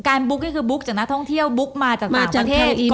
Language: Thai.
บุ๊กก็คือบุ๊กจากนักท่องเที่ยวบุ๊กมาจากต่างประเทศ